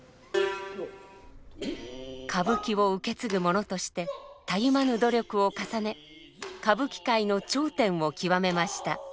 歌舞伎を受け継ぐ者としてたゆまぬ努力を重ね歌舞伎界の頂点を極めました。